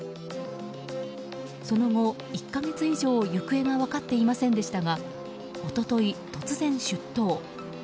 その後、１か月以上行方が分かっていませんでしたが一昨日、突然出頭。